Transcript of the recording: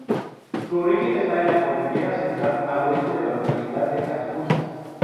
Su origen está en la Cordillera Central al oeste de la localidad de Adjuntas.